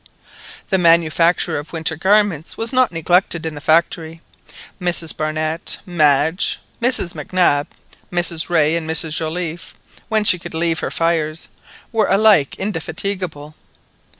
The manufacture of winter garments was not neglected in the factory. Mrs Barnett, Madge, Mrs Mac Nab, Mrs Rae, and Mrs Joliffe—when she could leave her fires—were alike indefatigable.